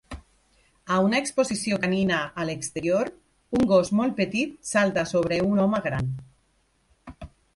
A una exposició canina a l'exterior, un gos molt petit salta sobre un home gran.